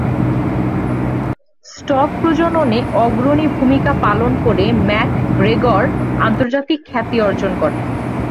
Stock প্রজননে অগ্রণী ভূমিকা পালন করে ম্যাকগ্রেগর আন্তর্জাতিক খ্যাতি অর্জন করেন।